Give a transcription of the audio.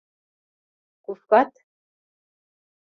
Кушкат?..